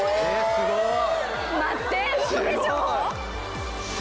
すごい。